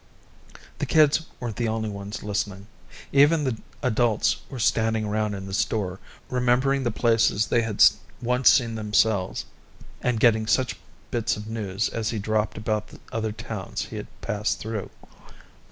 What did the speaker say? The kids weren't the only ones listening. Even the adults were standing around in the store, remembering the places they had once seen themselves, and getting such bits of news as he dropped about the other towns he had passed through.